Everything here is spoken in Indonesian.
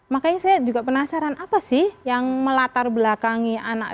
makanya saya juga penasaran apa sih yang melatar belakangi anak